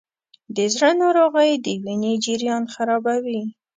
د زړه ناروغۍ د وینې جریان خرابوي.